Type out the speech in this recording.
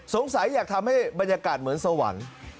อยากทำให้บรรยากาศเหมือนสวรรค์